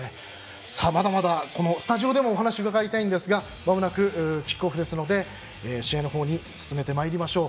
まだまだスタジオでもお話を伺いたいのですがまもなくキックオフですので試合の方に進めてまいりましょう。